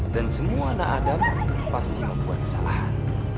dan semua anak adam pasti membuat kesalahan